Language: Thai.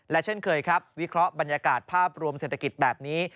เช่นเคยครับวิเคราะห์บรรยากาศภาพรวมเศรษฐกิจแบบนี้